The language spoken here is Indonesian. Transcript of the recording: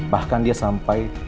bahkan dia sampai